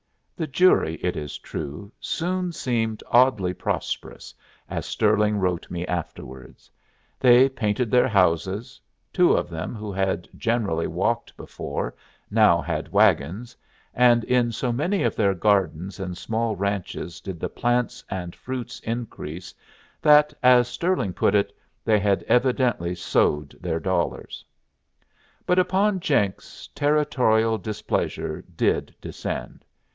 The jury, it is true, soon seemed oddly prosperous, as Stirling wrote me afterwards. They painted their houses; two of them, who had generally walked before, now had wagons; and in so many of their gardens and small ranches did the plants and fruits increase that, as Stirling put it, they had evidently sowed their dollars. But upon Jenks Territorial displeasure did descend.